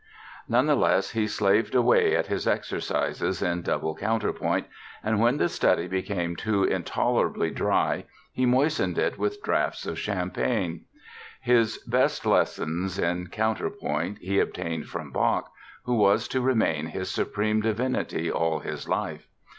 Nevertheless he slaved away at his exercises in double counterpoint and when the study became too intolerably dry he moistened it with draughts of champagne! His best lessons in counterpoint he obtained from Bach, who was to remain his supreme divinity all his life.